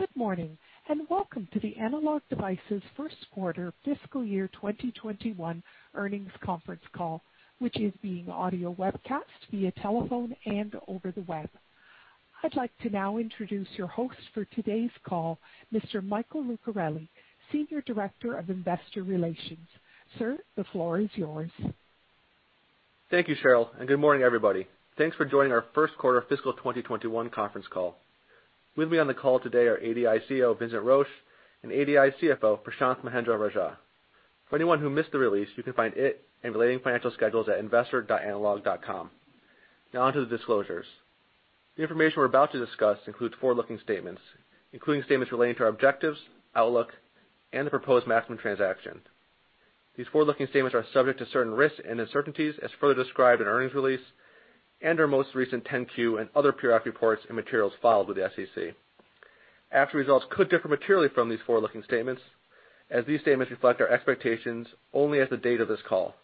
Good morning, welcome to the Analog Devices first quarter fiscal year 2021 earnings conference call, which is being audio webcast via telephone and over the web. I'd like to now introduce your host for today's call, Mr. Michael Lucarelli, Senior Director of Investor Relations. Sir, the floor is yours. Thank you, Cheryl, and good morning, everybody. Thanks for joining our first quarter fiscal 2021 conference call. With me on the call today are Analog Devices, Inc. CEO, Vincent Roche, and Analog Devices, Inc. CFO, Prashanth Mahendra-Rajah. For anyone who missed the release, you can find it and related financial schedules at investor.analog.com. On to the disclosures. The information we're about to discuss includes forward-looking statements, including statements related to our objectives, outlook, and the proposed Maxim transaction. These forward-looking statements are subject to certain risks and uncertainties as further described in earnings release and our most recent Form 10-Q and other periodic reports and materials filed with the SEC. Actual results could differ materially from these forward-looking statements, as these statements reflect our expectations only as the date of this call.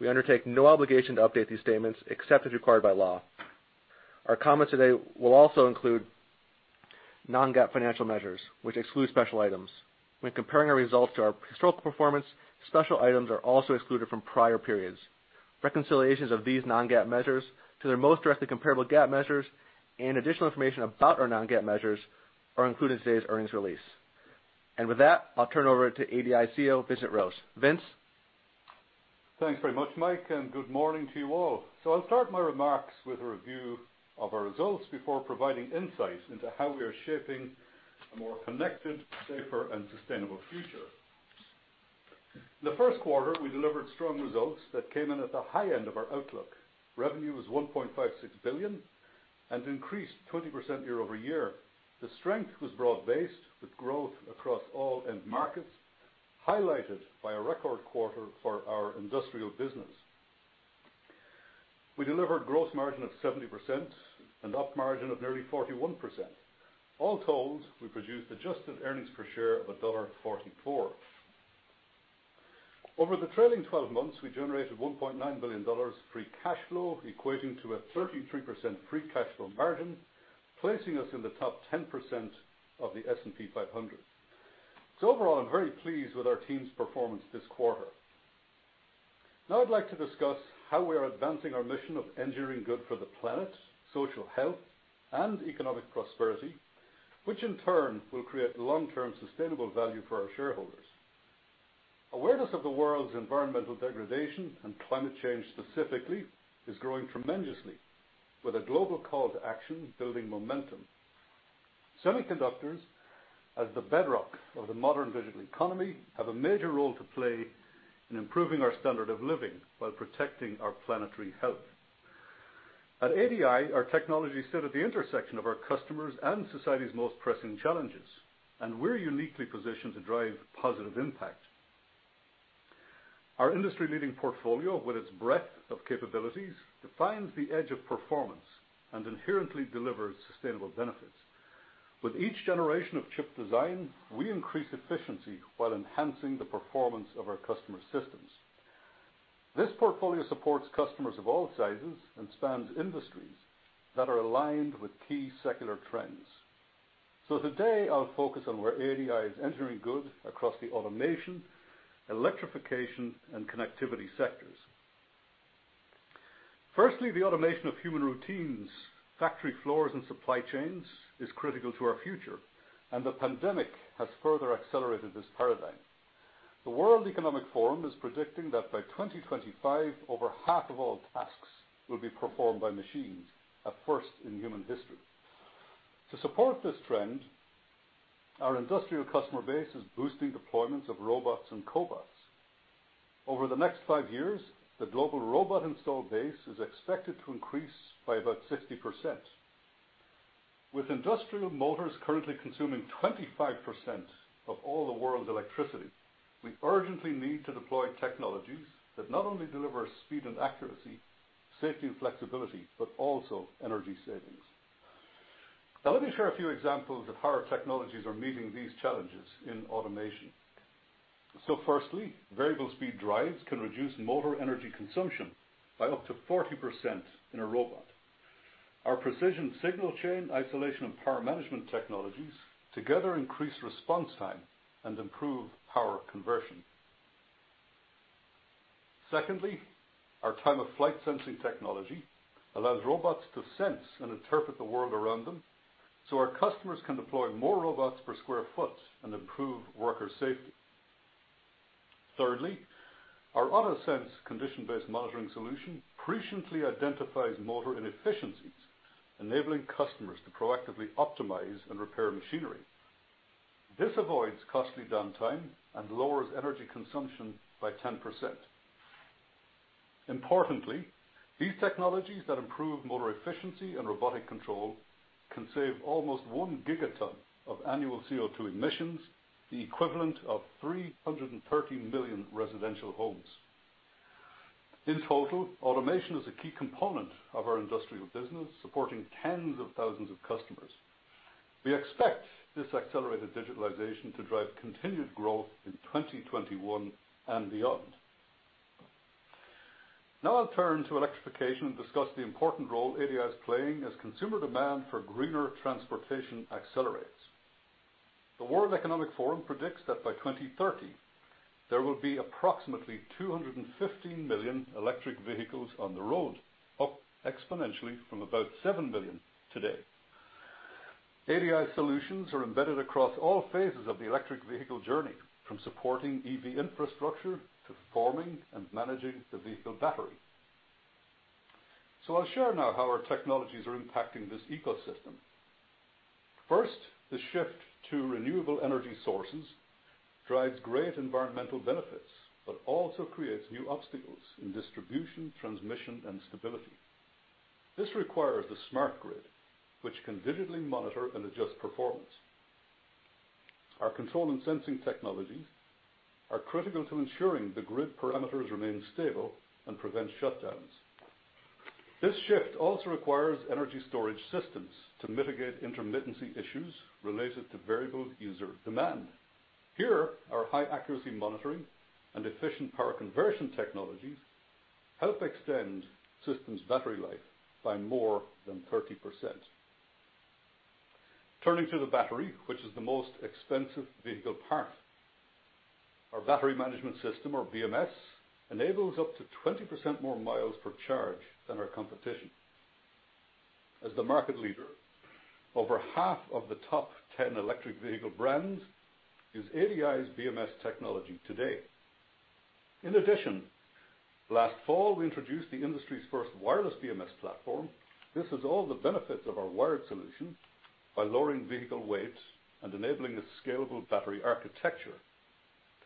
We undertake no obligation to update these statements except as required by law. Our comments today will also include non-GAAP financial measures, which exclude special items. When comparing our results to our historical performance, special items are also excluded from prior periods. Reconciliations of these non-GAAP measures to their most directly comparable GAAP measures and additional information about our non-GAAP measures are included in today's earnings release. With that, I'll turn over to Analog Devices, Inc. CEO, Vincent Roche. Vincent. Thanks very much, Michael, and good morning to you all. I'll start my remarks with a review of our results before providing insights into how we are shaping a more connected, safer, and sustainable future. In the first quarter, we delivered strong results that came in at the high end of our outlook. Revenue was $1.56 billion and increased 20% year-over-year. The strength was broad-based with growth across all end markets, highlighted by a record quarter for our industrial business. We delivered gross margin of 70% and OpEx margin of nearly 41%. All told, we produced adjusted earnings per share of $1.44. Over the trailing 12 months, we generated $1.9 billion free cash flow, equating to a 33% free cash flow margin, placing us in the top 10% of the S&P 500. Overall, I'm very pleased with our team's performance this quarter. Now I'd like to discuss how we are advancing our mission of engineering good for the planet, social health, and economic prosperity, which in turn will create long-term sustainable value for our shareholders. Awareness of the world's environmental degradation and climate change specifically is growing tremendously with a global call to action building momentum. Semiconductors, as the bedrock of the modern digital economy, have a major role to play in improving our standard of living while protecting our planetary health. At Analog Devices, Inc., our technology sits at the intersection of our customers' and society's most pressing challenges, and we're uniquely positioned to drive positive impact. Our industry-leading portfolio with its breadth of capabilities defines the edge of performance and inherently delivers sustainable benefits. With each generation of chip design, we increase efficiency while enhancing the performance of our customer systems. This portfolio supports customers of all sizes and spans industries that are aligned with key secular trends. Today, I'll focus on where Analog Devices, Inc. is engineering good across the automation, electrification, and connectivity sectors. Firstly, the automation of human routines, factory floors, and supply chains is critical to our future, and the pandemic has further accelerated this paradigm. The World Economic Forum is predicting that by 2025, over half of all tasks will be performed by machines, a first in human history. To support this trend, our industrial customer base is boosting deployments of robots and cobots. Over the next five years, the global robot installed base is expected to increase by about 60%. With industrial motors currently consuming 25% of all the world's electricity, we urgently need to deploy technologies that not only deliver speed and accuracy, safety and flexibility, but also energy savings. Let me share a few examples of how our technologies are meeting these challenges in automation. Firstly, variable speed drives can reduce motor energy consumption by up to 40% in a robot. Our precision signal chain isolation and power management technologies together increase response time and improve power conversion. Secondly, our time-of-flight sensing technology allows robots to sense and interpret the world around them so our customers can deploy more robots per square foot and improve worker safety. Thirdly, our OtoSense condition-based monitoring solution presciently identifies motor inefficiencies, enabling customers to proactively optimize and repair machinery. This avoids costly downtime and lowers energy consumption by 10%. Importantly, these technologies that improve motor efficiency and robotic control can save almost 1 Gt of annual CO2 emissions, the equivalent of 330 million residential homes. In total, automation is a key component of our industrial business, supporting tens of thousands of customers. We expect this accelerated digitalization to drive continued growth in 2021 and beyond. I'll turn to electrification and discuss the important role Analog Devices, Inc. is playing as consumer demand for greener transportation accelerates. The World Economic Forum predicts that by 2030, there will be approximately 215 million electric vehicles on the road, up exponentially from about seven million today. ADI solutions are embedded across all phases of the electric vehicle journey, from supporting EV infrastructure to forming and managing the vehicle battery. I'll share now how our technologies are impacting this ecosystem. First, the shift to renewable energy sources drives great environmental benefits, but also creates new obstacles in distribution, transmission, and stability. This requires the smart grid, which can digitally monitor and adjust performance. Our control and sensing technologies are critical to ensuring the grid parameters remain stable and prevent shutdowns. This shift also requires energy storage systems to mitigate intermittency issues related to variable user demand. Here, our high-accuracy monitoring and efficient power conversion technologies help extend systems' battery life by more than 30%. Turning to the battery, which is the most expensive vehicle part, our Battery Management System, or BMS, enables up to 20% more miles per charge than our competition. As the market leader, over half of the top 10 electric vehicle brands use ADI's BMS technology today. In addition, last fall, we introduced the industry's first wireless BMS platform. This has all the benefits of our wired solution by lowering vehicle weight and enabling a scalable battery architecture,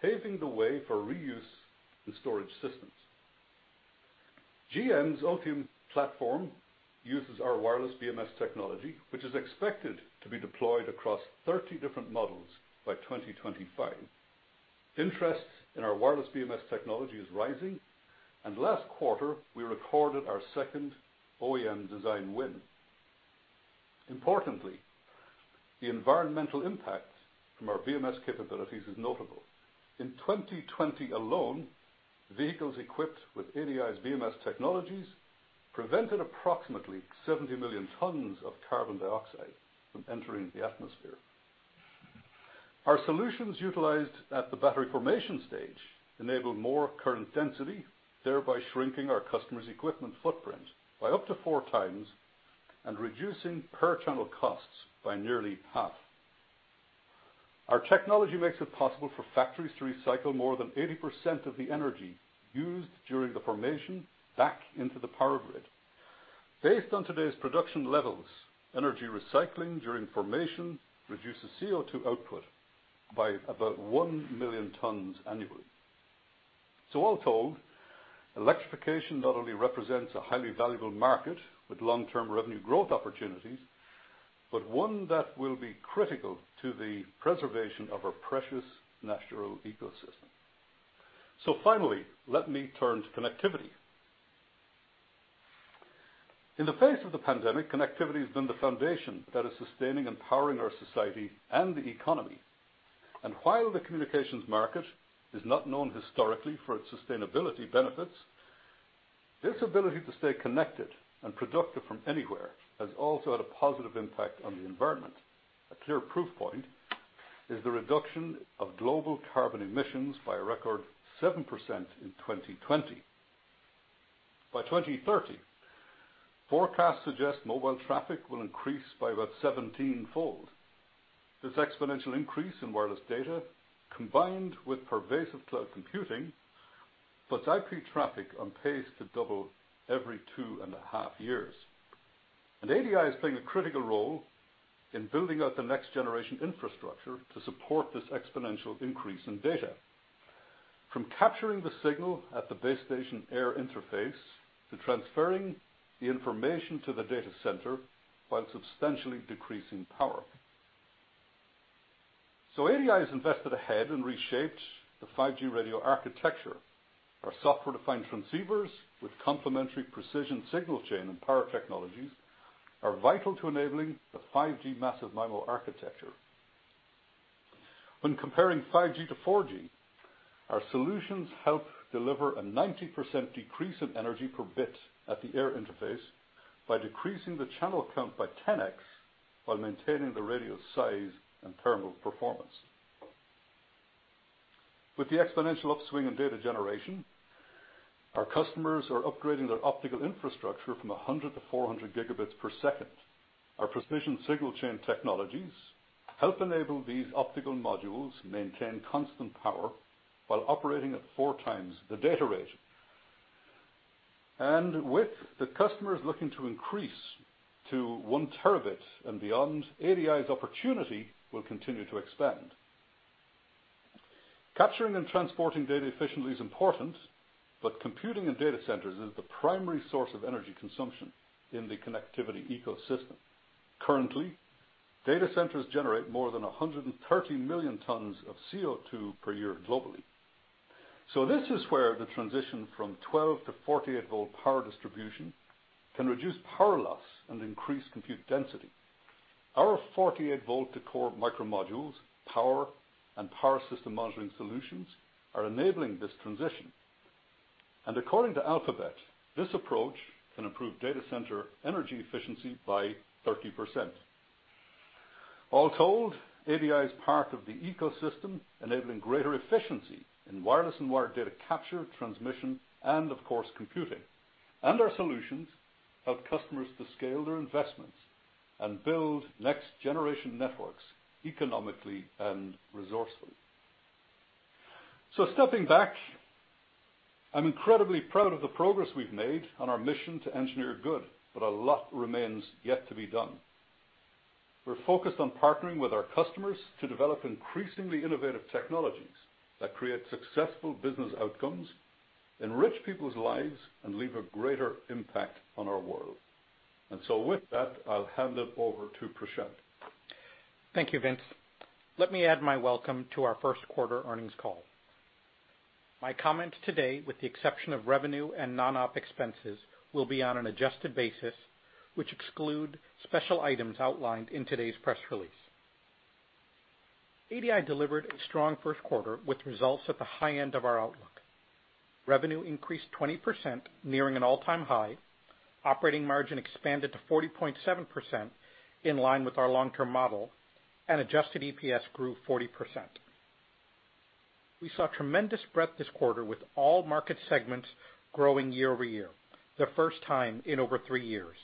paving the way for reuse in storage systems. GM's Ultium platform uses our wireless BMS technology, which is expected to be deployed across 30 different models by 2025. Interest in our wireless BMS technology is rising, and last quarter, we recorded our second OEM design win. Importantly, the environmental impact from our BMS capabilities is notable. In 2020 alone, vehicles equipped with ADI's BMS technologies prevented approximately 70 million tons of carbon dioxide from entering the atmosphere. Our solutions utilized at the battery formation stage enable more current density, thereby shrinking our customers' equipment footprint by up to four times and reducing per-channel costs by nearly half. Our technology makes it possible for factories to recycle more than 80% of the energy used during the formation back into the power grid. Based on today's production levels, energy recycling during formation reduces CO2 output by about one million tons annually. All told, electrification not only represents a highly valuable market with long-term revenue growth opportunities but one that will be critical to the preservation of our precious natural ecosystem. Finally, let me turn to connectivity. In the face of the pandemic, connectivity has been the foundation that is sustaining and powering our society and the economy. While the communications market is not known historically for its sustainability benefits, this ability to stay connected and productive from anywhere has also had a positive impact on the environment. A clear proof point is the reduction of global carbon emissions by a record 7% in 2020. By 2030, forecasts suggest mobile traffic will increase by about 17-fold. This exponential increase in wireless data, combined with pervasive cloud computing, puts IP traffic on pace to double every two and a half years. Analog Devices, Inc. is playing a critical role in building out the next-generation infrastructure to support this exponential increase in data, from capturing the signal at the base station air interface to transferring the information to the data center while substantially decreasing power. Analog Devices, Inc. has invested ahead and reshaped the 5G radio architecture. Our software-defined transceivers with complementary precision signal chain and power technologies are vital to enabling the 5G massive MIMO architecture. When comparing 5G to 4G, our solutions help deliver a 90% decrease in energy per bit at the air interface by decreasing the channel count by 10X while maintaining the radio's size and thermal performance. With the exponential upswing in data generation, our customers are upgrading their optical infrastructure from 100 Gb per second to 400 Gb per second. Our precision signal chain technologies help enable these optical modules to maintain constant power while operating at four times the data rate. With the customers looking to increase to 1 Tb and beyond, ADI's opportunity will continue to expand. Capturing and transporting data efficiently is important, but computing in data centers is the primary source of energy consumption in the connectivity ecosystem. Currently, data centers generate more than 130 million tons of CO2 per year globally. So this is where the transition from 12 to 48-volt power distribution can reduce power loss and increase compute density. Our 48-volt to core µModule power and power system monitoring solutions are enabling this transition. According to Alphabet, this approach can improve data center energy efficiency by 30%. All told, Analog Devices, Inc. is part of the ecosystem enabling greater efficiency in wireless and wired data capture, transmission, and of course, computing. Our solutions help customers to scale their investments and build next-generation networks economically and resourcefully. Stepping back, I'm incredibly proud of the progress we've made on our mission to engineer good, but a lot remains yet to be done. We're focused on partnering with our customers to develop increasingly innovative technologies that create successful business outcomes, enrich people's lives, and leave a greater impact on our world. With that, I'll hand it over to Prashanth Mahendra-Rajah. Thank you, Vincent. Let me add my welcome to our first quarter earnings call. My comments today, with the exception of revenue and non-op expenses, will be on an adjusted basis, which exclude special items outlined in today's press release. Analog Devices, Inc. delivered a strong first quarter with results at the high end of our outlook. Revenue increased 20%, nearing an all-time high. Operating margin expanded to 40.7%, in line with our long-term model, and adjusted EPS grew 40%. We saw tremendous breadth this quarter with all market segments growing year-over-year, the first time in over three years.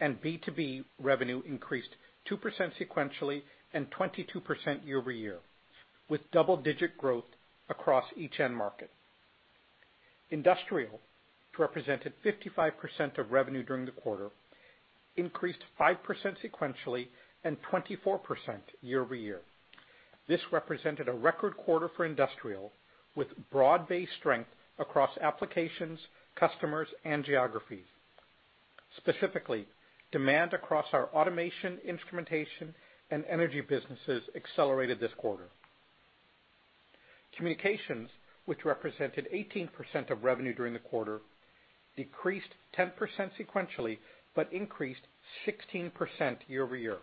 B2B revenue increased 2% sequentially and 22% year-over-year, with double-digit growth across each end market. Industrial, which represented 55% of revenue during the quarter, increased 5% sequentially and 24% year-over-year. This represented a record quarter for industrial, with broad-based strength across applications, customers, and geographies. Specifically, demand across our automation, instrumentation, and energy businesses accelerated this quarter. Communications, which represented 18% of revenue during the quarter, decreased 10% sequentially, but increased 16% year-over-year.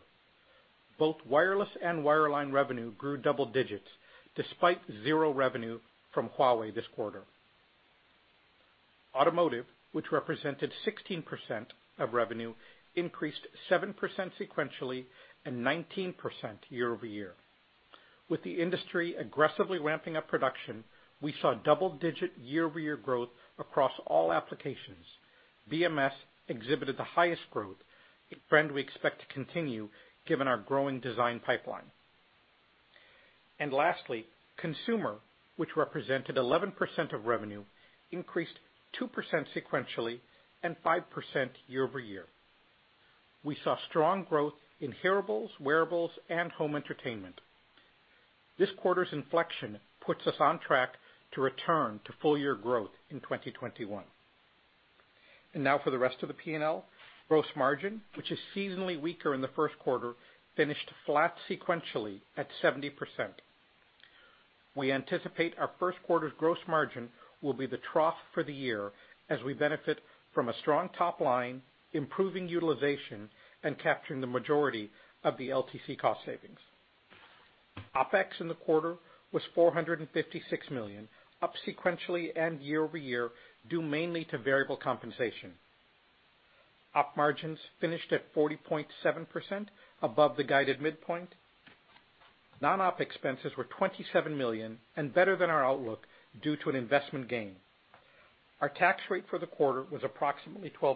Both wireless and wireline revenue grew double digits despite zero revenue from Huawei this quarter. Automotive, which represented 16% of revenue, increased 7% sequentially and 19% year-over-year. With the industry aggressively ramping up production, we saw double-digit year-over-year growth across all applications. BMS exhibited the highest growth, a trend we expect to continue given our growing design pipeline. Lastly, consumer, which represented 11% of revenue, increased 2% sequentially and 5% year-over-year. We saw strong growth in hearables, wearables, and home entertainment. This quarter's inflection puts us on track to return to full-year growth in 2021. Now for the rest of the P&L. Gross margin, which is seasonally weaker in the first quarter, finished flat sequentially at 70%. We anticipate our first quarter's gross margin will be the trough for the year as we benefit from a strong top line, improving utilization, and capturing the majority of the LTC cost savings. OpEx in the quarter was $456 million, up sequentially and year-over-year, due mainly to variable compensation. Op margins finished at 40.7%, above the guided midpoint. Non-op expenses were $27 million and better than our outlook due to an investment gain. Our tax rate for the quarter was approximately 12%.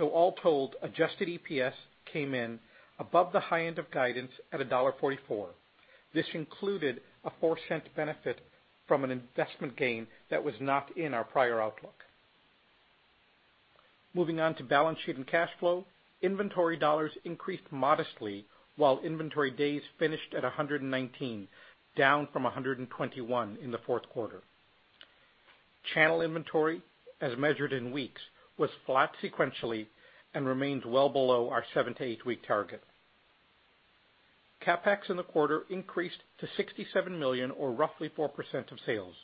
All told, adjusted EPS came in above the high end of guidance at $1.44. This included a $0.04 benefit from an investment gain that was not in our prior outlook. Moving on to balance sheet and cash flow. Inventory dollars increased modestly while inventory days finished at 119, down from 121 in the fourth quarter. Channel inventory, as measured in weeks, was flat sequentially and remains well below our seven to eight-week target. CapEx in the quarter increased to $67 million or roughly 4% of sales.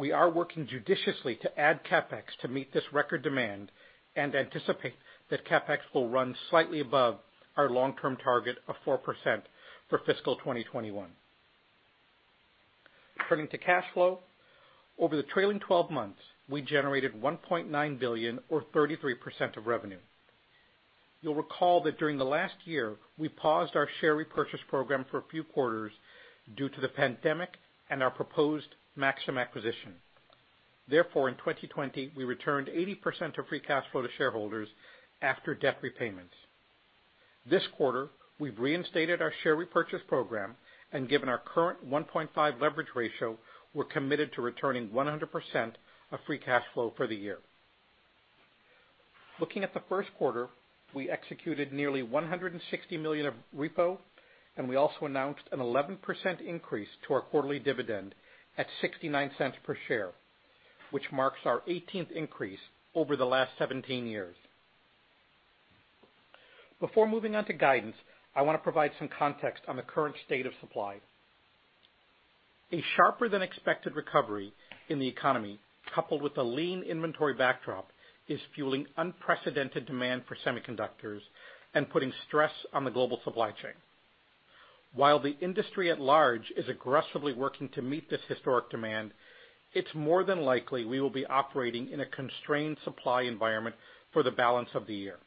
We are working judiciously to add CapEx to meet this record demand and anticipate that CapEx will run slightly above our long-term target of 4% for fiscal 2021. Turning to cash flow. Over the trailing 12 months, we generated $1.9 billion or 33% of revenue. You'll recall that during the last year, we paused our share repurchase program for a few quarters due to the pandemic and our proposed Maxim acquisition. In 2020, we returned 80% of free cash flow to shareholders after debt repayments. This quarter, we've reinstated our share repurchase program. Given our current 1.5 leverage ratio, we're committed to returning 100% of free cash flow for the year. Looking at the first quarter, we executed nearly $160 million of repo. We also announced an 11% increase to our quarterly dividend at $0.69 per share, which marks our 18th increase over the last 17 years. Before moving on to guidance, I want to provide some context on the current state of supply. A sharper than expected recovery in the economy, coupled with a lean inventory backdrop, is fueling unprecedented demand for semiconductors and putting stress on the global supply chain. While the industry at large is aggressively working to meet this historic demand, it's more than likely we will be operating in a constrained supply environment for the balance of the year.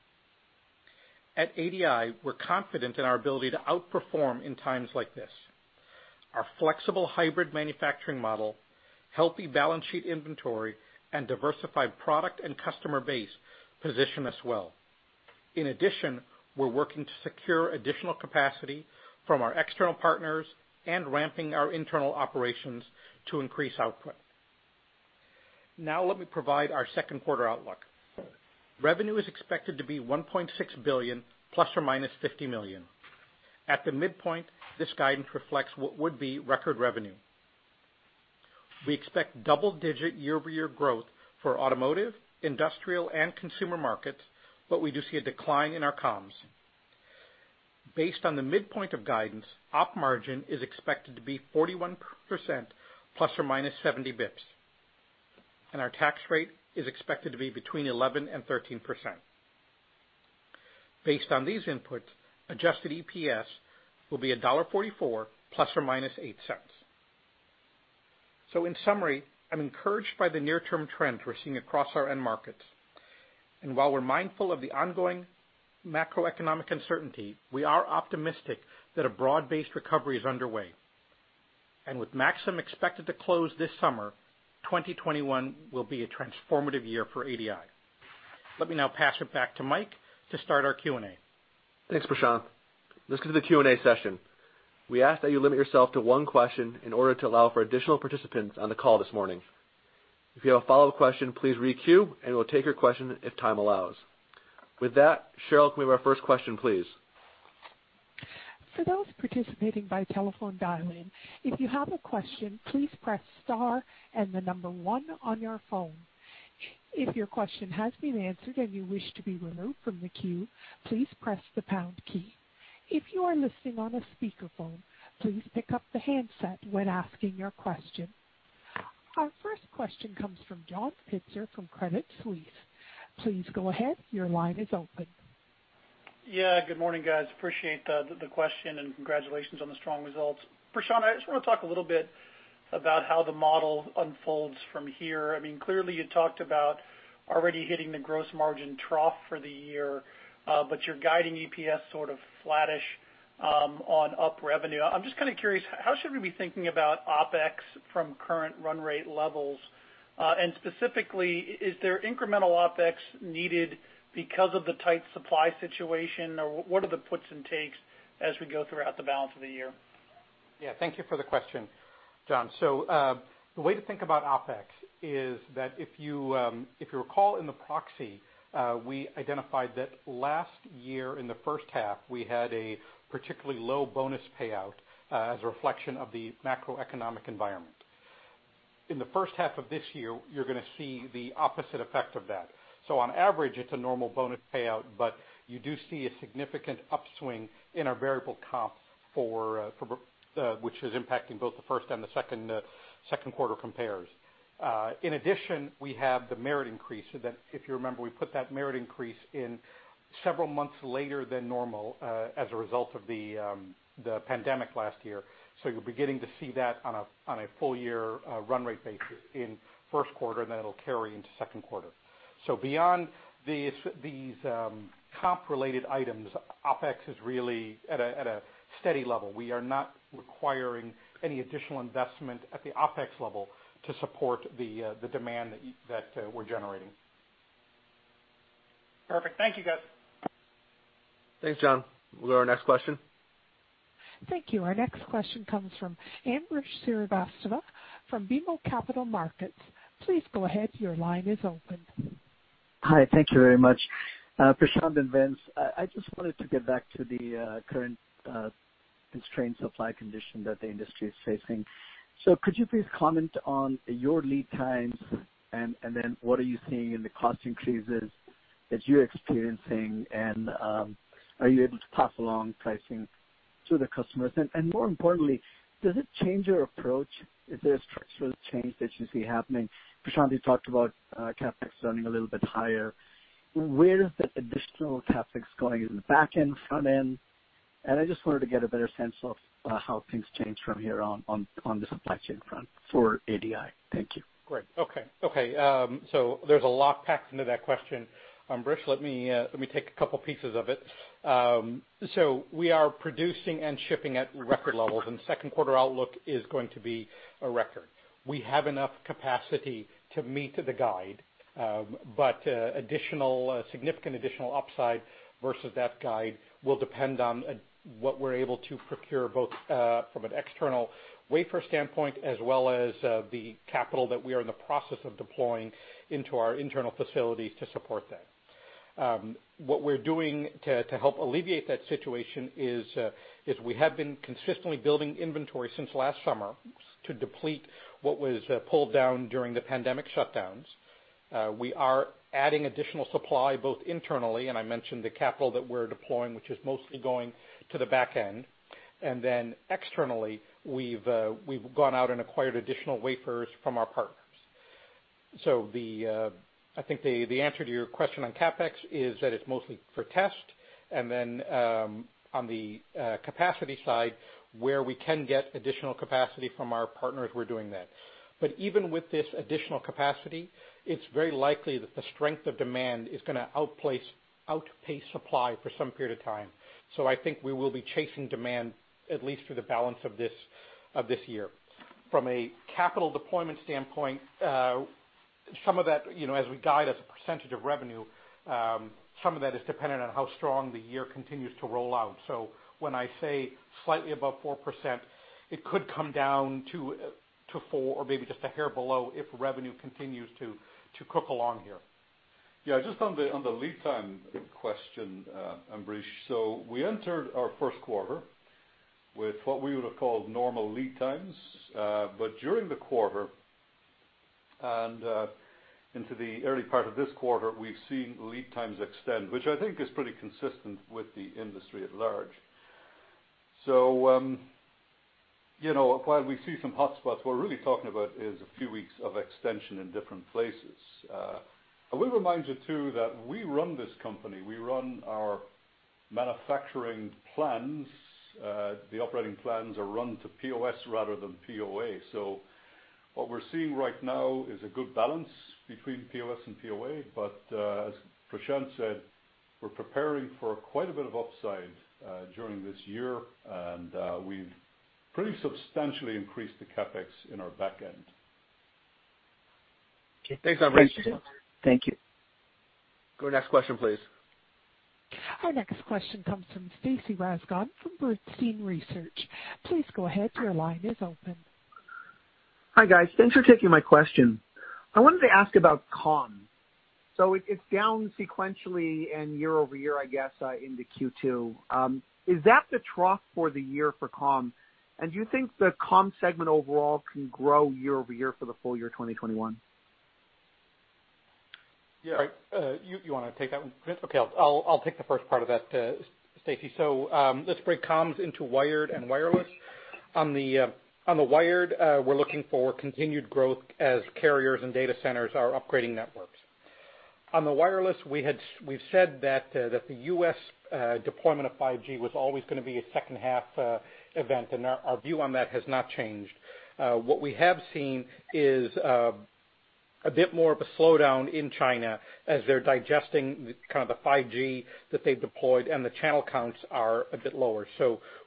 At Analog Devices, Inc., we're confident in our ability to outperform in times like this. Our flexible hybrid manufacturing model, healthy balance sheet inventory, and diversified product and customer base position us well. We're working to secure additional capacity from our external partners and ramping our internal operations to increase output. Let me provide our second quarter outlook. Revenue is expected to be $1.6 billion ±$50 million. At the midpoint, this guidance reflects what would be record revenue. We expect double-digit year-over-year growth for automotive, industrial, and consumer markets, but we do see a decline in our comms. Based on the midpoint of guidance, OpEx margin is expected to be 41% ±70 basis points, and our tax rate is expected to be between 11% and 13%. Based on these inputs, adjusted EPS will be $1.44 ±$0.08. In summary, I'm encouraged by the near-term trends we're seeing across our end markets. While we're mindful of the ongoing macroeconomic uncertainty, we are optimistic that a broad-based recovery is underway. With Maxim expected to close this summer, 2021 will be a transformative year for Analog Devices, Inc. Let me now pass it back to Michael Lucarelli to start our Q&A. Thanks, Prashanth. Let's go to the Q&A session. We ask that you limit yourself to one question in order to allow for additional participants on the call this morning. If you have a follow-up question, please re-queue, and we'll take your question if time allows. With that, Cheryl, can we have our first question, please? For those participating by telephone dial-in, if you have a question, please press star and the number one on your phone. If your question has been answered and you wish to be removed from the queue, please press the pound key. If you are listening on a speakerphone, please pick up the handset when asking your question. Our first question comes from John Pitzer from Credit Suisse. Please go ahead. Your line is open. Good morning, guys. Appreciate the question and congratulations on the strong results. Prashanth, I just want to talk a little bit about how the model unfolds from here. Clearly, you talked about already hitting the gross margin trough for the year, but you're guiding EPS sort of flattish on up revenue. I'm just kind of curious, how should we be thinking about OpEx from current run rate levels? Specifically, is there incremental OpEx needed because of the tight supply situation, or what are the puts and takes as we go throughout the balance of the year? Thank you for the question, John. The way to think about OpEx is that if you recall in the proxy, we identified that last year in the first half, we had a particularly low bonus payout as a reflection of the macroeconomic environment. In the first half of this year, you're going to see the opposite effect of that. On average, it's a normal bonus payout, but you do see a significant upswing in our variable comp, which is impacting both the first and the second quarter compares. In addition, we have the merit increase. If you remember, we put that merit increase in several months later than normal as a result of the pandemic last year. You're beginning to see that on a full year run rate basis in first quarter, and then it'll carry into second quarter. Beyond these comp-related items, OpEx is really at a steady level. We are not requiring any additional investment at the OpEx level to support the demand that we're generating. Perfect. Thank you, guys. Thanks, John. We'll go to our next question. Thank you. Our next question comes from Ambrish Srivastava from BMO Capital Markets. Please go ahead. Your line is open. Hi. Thank you very much. Prashanth Mahendra-Rajah and Vincent Roche, I just wanted to get back to the current constrained supply condition that the industry is facing. Could you please comment on your lead times, and then what are you seeing in the cost increases that you're experiencing? Are you able to pass along pricing to the customers? More importantly, does it change your approach? Is there a structural change that you see happening? Prashanth, you talked about CapEx running a little bit higher. Where is the additional CapEx going? In the back end, front end? I just wanted to get a better sense of how things change from here on the supply chain front for Analog Devices, Inc. Thank you. Great. Okay. There's a lot packed into that question. Ambrish, let me take a couple pieces of it. We are producing and shipping at record levels, and second quarter outlook is going to be a record. We have enough capacity to meet the guide. Significant additional upside versus that guide will depend on what we're able to procure both from an external wafer standpoint as well as the capital that we are in the process of deploying into our internal facilities to support that. What we're doing to help alleviate that situation is we have been consistently building inventory since last summer to deplete what was pulled down during the pandemic shutdowns. We are adding additional supply both internally, and I mentioned the capital that we're deploying, which is mostly going to the back end. Externally, we've gone out and acquired additional wafers from our partners. I think the answer to your question on CapEx is that it's mostly for test, and then on the capacity side, where we can get additional capacity from our partners, we're doing that. Even with this additional capacity, it's very likely that the strength of demand is going to outpace supply for some period of time. I think we will be chasing demand at least for the balance of this year. From a capital deployment standpoint, as we guide as a percentage of revenue, some of that is dependent on how strong the year continues to roll out. When I say slightly above 4%, it could come down to 4% or maybe just a hair below if revenue continues to cook along here. Yeah. Just on the lead time question, Ambrish. We entered our first quarter with what we would've called normal lead times. During the quarter and into the early part of this quarter, we've seen lead times extend, which I think is pretty consistent with the industry at large. While we see some hotspots, what we're really talking about is a few weeks of extension in different places. I will remind you too, that we run this company, we run our manufacturing plans, the operating plans are run to POS rather than POA. What we're seeing right now is a good balance between POS and POA. As Prashanth said, we're preparing for quite a bit of upside during this year, and we've pretty substantially increased the CapEx in our back end. Thanks, Ambrish. Thank you. Go next question, please. Our next question comes from Stacy Rasgon from Bernstein Research. Please go ahead. Your line is open. Hi, guys. Thanks for taking my question. I wanted to ask about comms. It's down sequentially and year-over-year, I guess, into Q2. Is that the trough for the year for comms? Do you think the comm segment overall can grow year-over-year for the full year 2021? Yeah. You want to take that one, Vincent? Okay. I'll take the first part of that, Stacy. Let's break comms into wired and wireless. On the wired, we're looking for continued growth as carriers and data centers are upgrading networks. On the wireless, we've said that the U.S. deployment of 5G was always going to be a second half event, and our view on that has not changed. What we have seen is a bit more of a slowdown in China as they're digesting kind of the 5G that they've deployed, and the channel counts are a bit lower.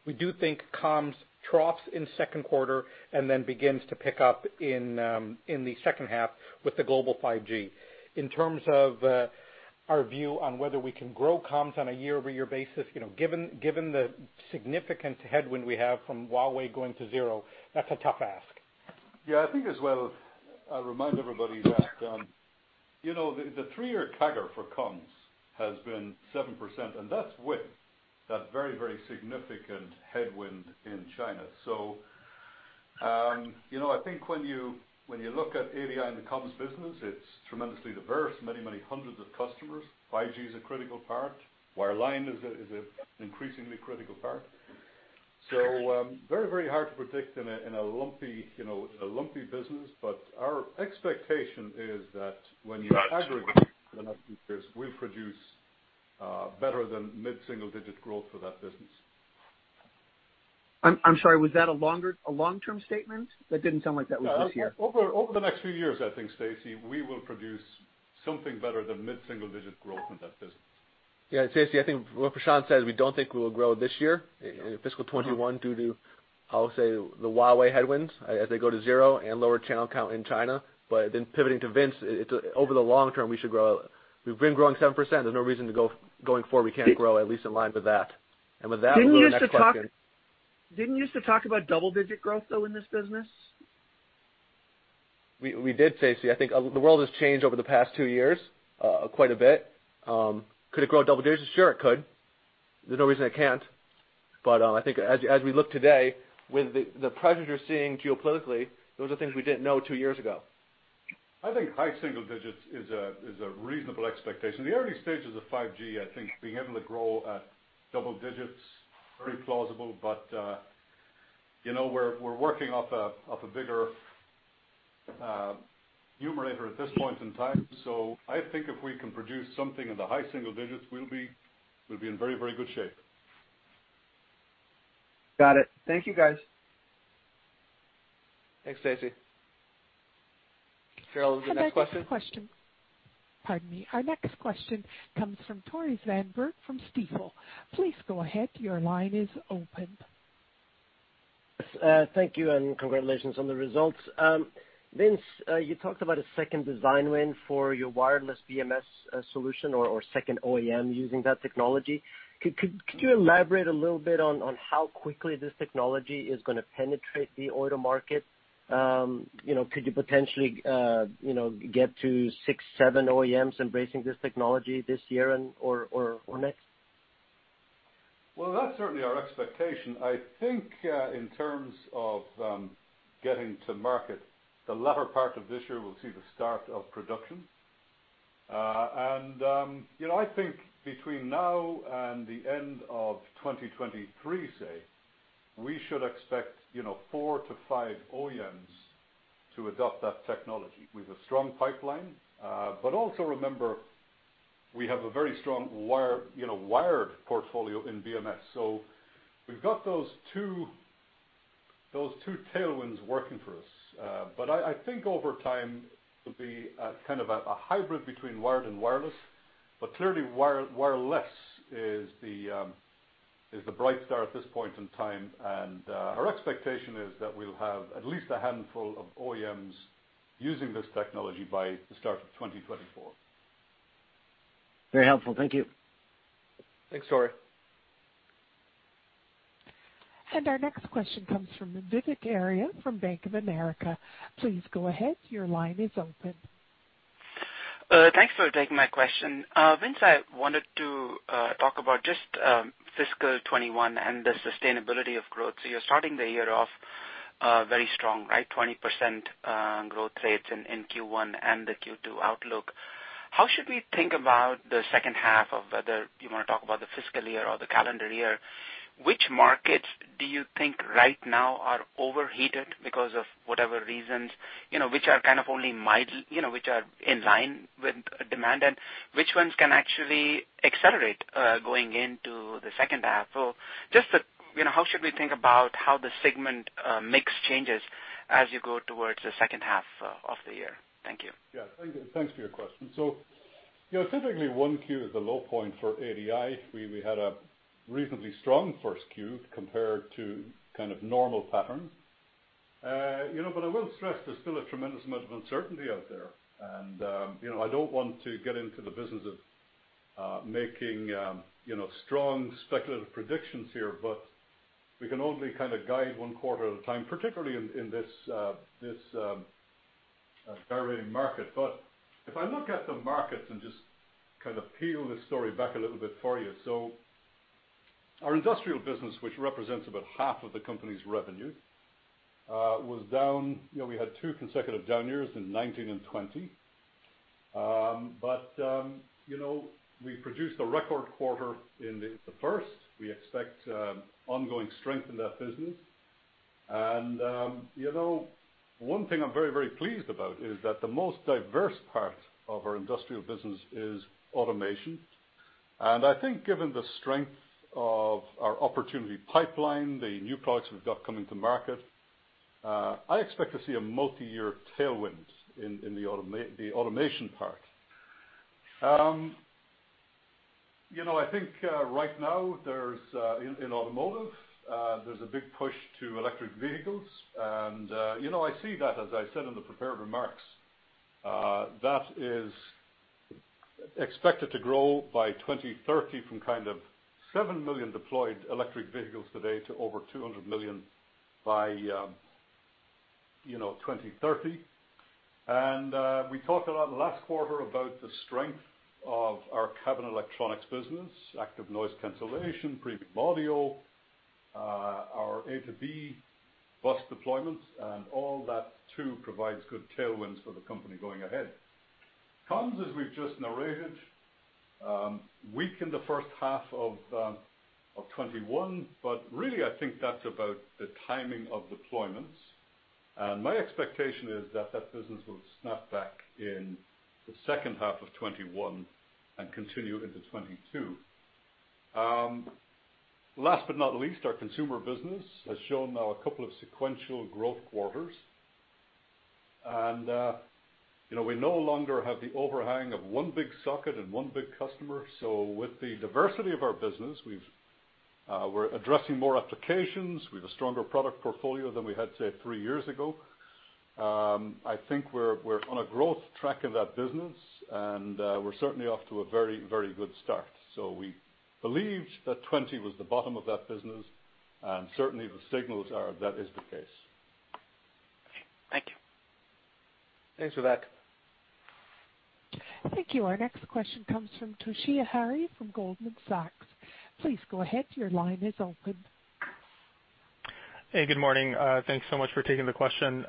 We do think comms troughs in second quarter and then begins to pick up in the second half with the global 5G. In terms of our view on whether we can grow comms on a year-over-year basis, given the significant headwind we have from Huawei going to zero, that's a tough ask. Yeah. I think as well, I'll remind everybody that the three-year CAGR for comms has been 7%, and that's with that very, very significant headwind in China. I think when you look at Analog Devices, Inc. and the comms business, it's tremendously diverse. Many hundreds of customers. 5G is a critical part. Wireline is an increasingly critical part. Very hard to predict in a lumpy business. Our expectation is that when you aggregate for the next few years, we'll produce better than mid-single digit growth for that business. I'm sorry, was that a long-term statement? That didn't sound like that was this year. Over the next few years, I think, Stacy, we will produce something better than mid-single digit growth in that business. Yeah. Stacy, I think what Prashanth Mahendra-Rajah says, we don't think we will grow this year in FY 2021 due to, I'll say, the Huawei headwinds as they go to zero and lower channel count in China. Pivoting to Vincent Roche, over the long term, we've been growing 7%. There's no reason going forward we can't grow at least in line with that. With that, we'll go to the next question. Didn't you used to talk about double-digit growth, though, in this business? We did, Stacy. I think the world has changed over the past two years quite a bit. Could it grow double digits? Sure it could. There's no reason it can't. I think as we look today with the pressures you're seeing geopolitically, those are things we didn't know two years ago. I think high single digits is a reasonable expectation. The early stages of 5G, I think being able to grow at double digits, very plausible. We're working off a bigger numerator at this point in time. I think if we can produce something in the high single digits, we'll be in very good shape. Got it. Thank you, guys. Thanks, Stacy. Cheryl, the next question. Pardon me. Our next question comes from Tore Svanberg from Stifel. Please go ahead. Your line is open. Thank you, and congratulations on the results. Vincent, you talked about a second design win for your wireless BMS solution or second OEM using that technology. Could you elaborate a little bit on how quickly this technology is going to penetrate the auto market? Could you potentially get to six, seven OEMs embracing this technology this year or next? Well, that's certainly our expectation. I think in terms of getting to market, the latter part of this year will see the start of production. I think between now and the end of 2023, say, we should expect four to five OEMs to adopt that technology. We've a strong pipeline. Also remember, we have a very strong wired portfolio in BMS. We've got those two tailwinds working for us. I think over time, it will be kind of a hybrid between wired and wireless, but clearly wireless is the bright star at this point in time. Our expectation is that we'll have at least a handful of OEMs using this technology by the start of 2024. Very helpful. Thank you. Thanks, Tore. Our next question comes from Vivek Arya from Bank of America. Please go ahead, your line is open. Thanks for taking my question. Vincent, I wanted to talk about just fiscal 2021 and the sustainability of growth. You're starting the year off very strong, right? 20% growth rates in Q1 and the Q2 outlook. How should we think about the second half of, whether you want to talk about the fiscal year or the calendar year? Which markets do you think right now are overheated because of whatever reasons, which are kind of only mild, which are in line with demand, and which ones can actually accelerate going into the second half? Just how should we think about how the segment mix changes as you go towards the second half of the year? Thank you. Thanks for your question. Typically, Q1 the low point for Analog Devices, Inc. We had a reasonably strong first quarter compared to kind of normal patterns. I will stress there's still a tremendous amount of uncertainty out there. I don't want to get into the business of making strong speculative predictions here, but we can only kind of guide one quarter at a time, particularly in this varying market. If I look at the markets and just kind of peel this story back a little bit for you, our industrial business, which represents about half of the company's revenue, we had two consecutive down years in 2019 and 2020. We produced a record quarter in the first. We expect ongoing strength in that business. One thing I'm very pleased about is that the most diverse part of our industrial business is automation. I think given the strength of our opportunity pipeline, the new products we've got coming to market, I expect to see a multi-year tailwind in the automation part. I think right now in automotive, there's a big push to electric vehicles, and I see that, as I said in the prepared remarks, that is expected to grow by 2030 from kind of seven million deployed electric vehicles today to over 200 million by 2030. We talked a lot last quarter about the strength of our cabin electronics business, active noise cancellation, premium audio, our A2B bus deployments, and all that too provides good tailwinds for the company going ahead. Comms, as we've just narrated, weak in the first half of 2021, but really I think that's about the timing of deployments. My expectation is that that business will snap back in the second half of 2021 and continue into 2022. Last but not least, our consumer business has shown now a couple of sequential growth quarters. We no longer have the overhang of one big socket and one big customer. With the diversity of our business, we're addressing more applications, we've a stronger product portfolio than we had, say, three years ago. I think we're on a growth track in that business, and we're certainly off to a very good start. We believed that 2020 was the bottom of that business, and certainly the signals are that is the case. Thank you. Thanks, Vivek. Thank you. Our next question comes from Toshiya Hari from Goldman Sachs. Please go ahead, your line is open. Hey, good morning. Thanks so much for taking the question.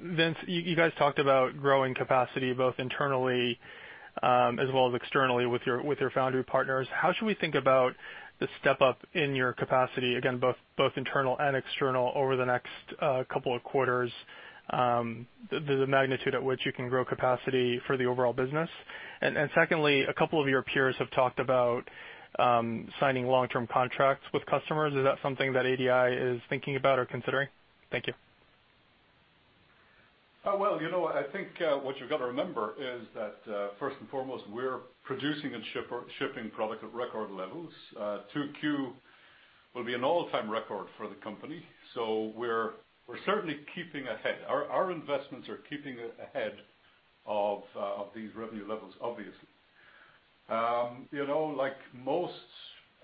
Vincent Roche, you guys talked about growing capacity both internally as well as externally with your foundry partners. How should we think about the step-up in your capacity, again, both internal and external over the next couple of quarters, the magnitude at which you can grow capacity for the overall business? Secondly, a couple of your peers have talked about signing long-term contracts with customers. Is that something that Analog Devices, Inc. is thinking about or considering? Thank you. I think what you've got to remember is that first and foremost, we're producing and shipping product at record levels. Q2 will be an all-time record for the company. We're certainly keeping ahead. Our investments are keeping ahead of these revenue levels, obviously. Like most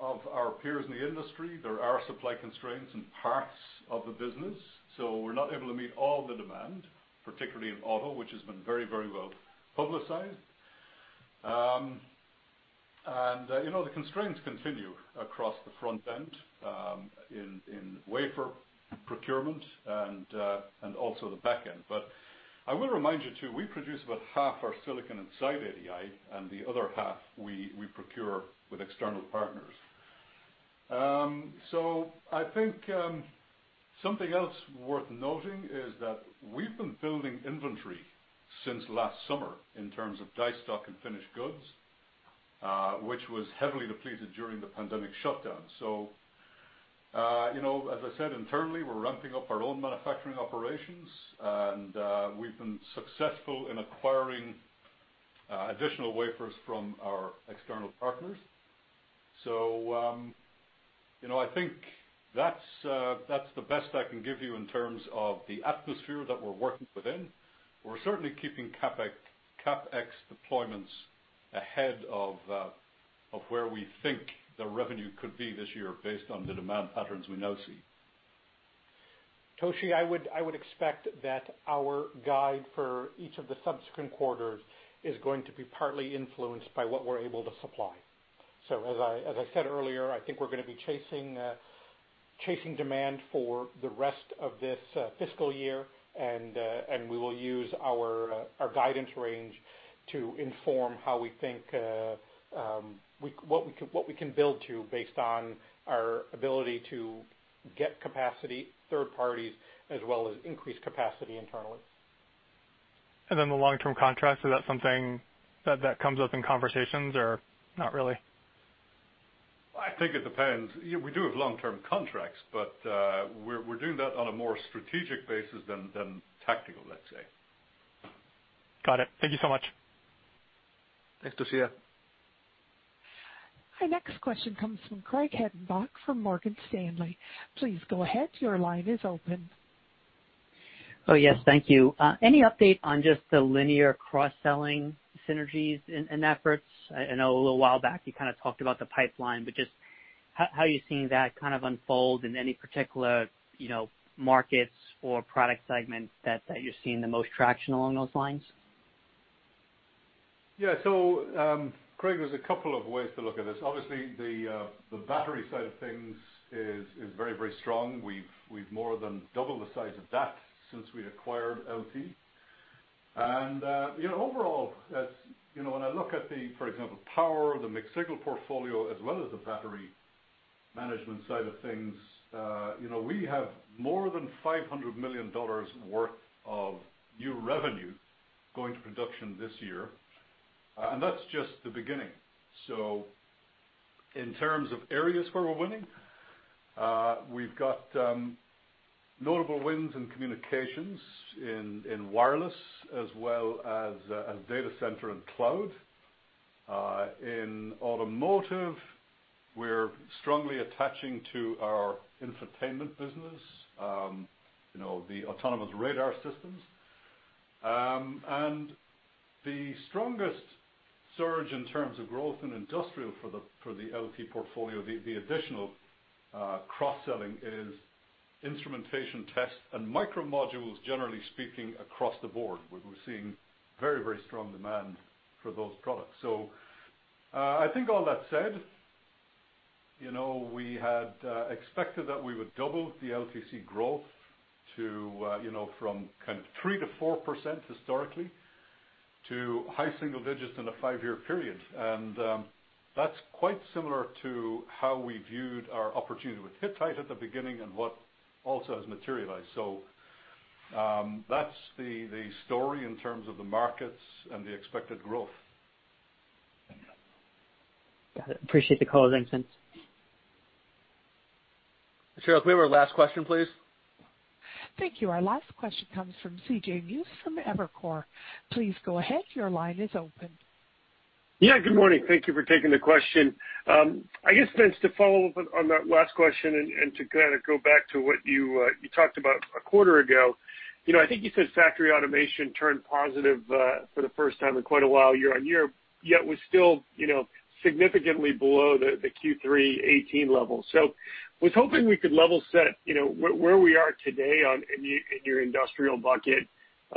of our peers in the industry, there are supply constraints in parts of the business, so we're not able to meet all the demand, particularly in auto, which has been very well publicized. The constraints continue across the front end in wafer procurement and also the back end. I will remind you too, we produce about half our silicon inside Analog Devices, Inc., and the other half we procure with external partners. I think something else worth noting is that we've been building inventory since last summer in terms of die stock and finished goods, which was heavily depleted during the pandemic shutdown. As I said, internally, we're ramping up our own manufacturing operations and we've been successful in acquiring additional wafers from our external partners. I think that's the best I can give you in terms of the atmosphere that we're working within. We're certainly keeping CapEx deployments ahead of where we think the revenue could be this year based on the demand patterns we now see. Toshiya, I would expect that our guide for each of the subsequent quarters is going to be partly influenced by what we're able to supply. As I said earlier, I think we're going to be chasing demand for the rest of this fiscal year. We will use our guidance range to inform what we can build to based on our ability to get capacity, third parties, as well as increase capacity internally. The long-term contracts, is that something that comes up in conversations or not really? I think it depends. We do have long-term contracts, but we're doing that on a more strategic basis than tactical, let's say. Got it. Thank you so much. Thanks, Toshiya. Our next question comes from Craig Hettenbach from Morgan Stanley. Please go ahead. Your line is open. Oh, yes. Thank you. Any update on just the Linear cross-selling synergies and efforts? I know a little while back you kind of talked about the pipeline, but just how are you seeing that kind of unfold and any particular markets or product segments that you're seeing the most traction along those lines? Craig, there's a couple of ways to look at this. Obviously, the battery side of things is very strong. We've more than doubled the size of that since we acquired LT. Overall, when I look at, for example, power, the mixed signal portfolio, as well as the battery management side of things we have more than $500 million worth of new revenue going to production this year, and that's just the beginning. In terms of areas where we're winning, we've got notable wins in communications, in wireless, as well as data center and cloud. In automotive, we're strongly attaching to our infotainment business the autonomous radar systems. The strongest surge in terms of growth in industrial for the LT portfolio, the additional cross-selling, is instrumentation test and µModule, generally speaking, across the board. We're seeing very strong demand for those products. I think all that said, we had expected that we would double the LTC growth from 3% to 4% historically, to high single digits in a five-year period. That's quite similar to how we viewed our opportunity with Hittite at the beginning and what also has materialized. That's the story in terms of the markets and the expected growth. Thank you. Got it. Appreciate the color, Vincent. Cheryl, can we have our last question, please? Thank you. Our last question comes from C.J. Muse from Evercore. Please go ahead. Your line is open. Yeah, good morning. Thank you for taking the question. I guess, Vincent, to follow up on that last question and to kind of go back to what you talked about a quarter ago, I think you said factory automation turned positive for the first time in quite a while year-over-year, yet was still significantly below the Q3 2018 level. I was hoping we could level set where we are today in your industrial bucket.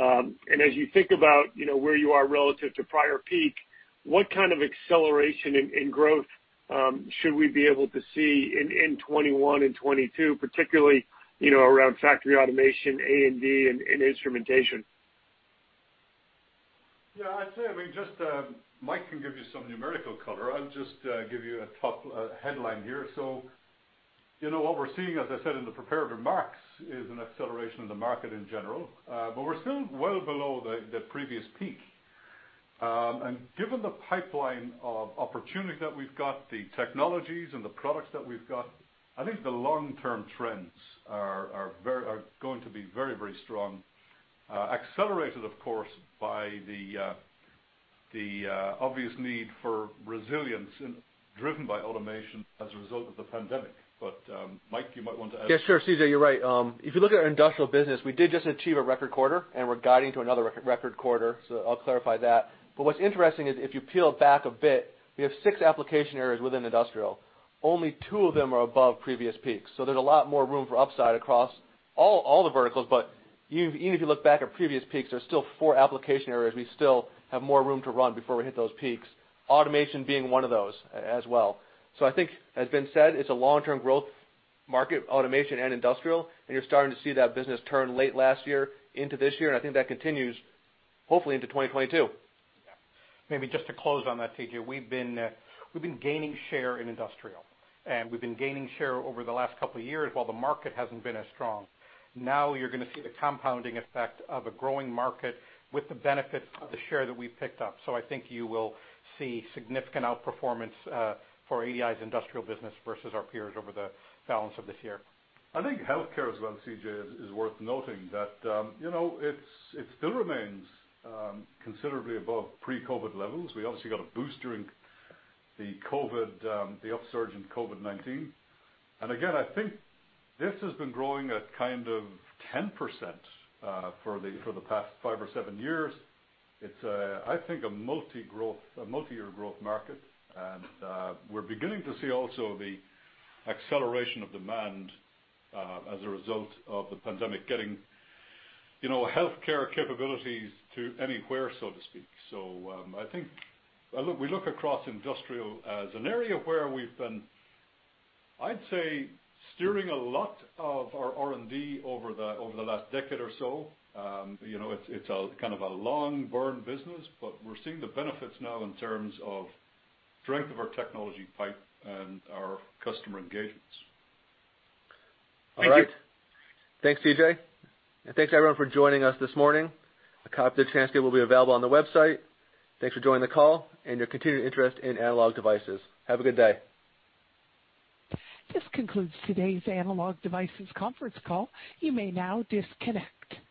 As you think about where you are relative to prior peak, what kind of acceleration in growth should we be able to see in 2021 and 2022, particularly around factory automation, A&D, and instrumentation? Yeah, I'd say Michael can give you some numerical color. I'll just give you a top headline here. What we're seeing, as I said in the prepared remarks, is an acceleration in the market in general. We're still well below the previous peak. Given the pipeline of opportunities that we've got, the technologies and the products that we've got, I think the long-term trends are going to be very strong. Accelerated, of course, by the obvious need for resilience and driven by automation as a result of the pandemic. Michael, you might want to add. Sure. C.J., you're right. If you look at our industrial business, we did just achieve a record quarter, and we're guiding to another record quarter, so I'll clarify that. What's interesting is if you peel it back a bit, we have six application areas within industrial. Only two of them are above previous peaks. There's a lot more room for upside across all the verticals. Even if you look back at previous peaks, there's still four application areas we still have more room to run before we hit those peaks, automation being one of those as well. I think as has been said, it's a long-term growth market, automation and industrial, and you're starting to see that business turn late last year into this year, and I think that continues hopefully into 2022. Maybe just to close on that, C.J., we've been gaining share in industrial, and we've been gaining share over the last couple of years while the market hasn't been as strong. Now you're going to see the compounding effect of a growing market with the benefits of the share that we've picked up. I think you will see significant outperformance for ADI's industrial business versus our peers over the balance of this year. I think healthcare as well, C.J., is worth noting that it still remains considerably above pre-COVID levels. We obviously got a boost during the upsurge in COVID-19. Again, I think this has been growing at 10% for the past five or seven years. It's, I think, a multi-year growth market. We're beginning to see also the acceleration of demand as a result of the pandemic getting healthcare capabilities to anywhere, so to speak. I think we look across industrial as an area where we've been, I'd say, steering a lot of our R&D over the last decade or so. It's a long burn business, but we're seeing the benefits now in terms of strength of our technology pipe and our customer engagements. All right. Thanks, C.J. Thanks, everyone, for joining us this morning. A copy of the transcript will be available on the website. Thanks for joining the call and your continued interest in Analog Devices. Have a good day. This concludes today's Analog Devices conference call. You may now disconnect.